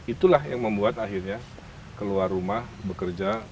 itulah yang membuat akhirnya keluar rumah bekerja